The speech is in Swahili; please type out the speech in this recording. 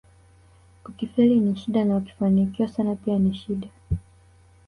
Ukifeli ni shida na ukifanikiwa sana pia ni shida